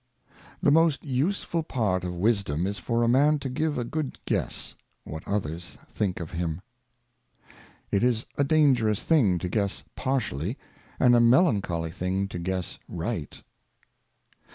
THE most useful Part of Wisdom is for a Man to give ^^isdom. a good guess, what others think of him. It is a dangerous thing to guess partially, and a melancholy thing to guess right.